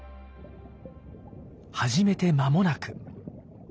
始めて間もなく。